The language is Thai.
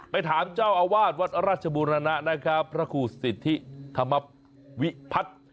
ไปถามเจ้าอาวาสวัดราชบูรณะนะครับพระครูสิทธิธรรมวิพัฒน์